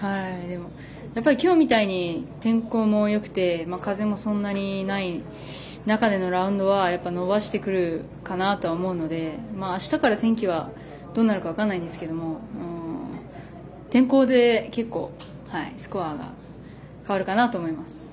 今日みたいに天候もよくて風もそんなにない中でのラウンドは伸ばしてくるかなと思うのであしたから天気はどうなるか分からないんですけど天候で結構スコアが変わるかなと思います。